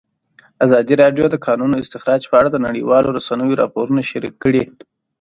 ازادي راډیو د د کانونو استخراج په اړه د نړیوالو رسنیو راپورونه شریک کړي.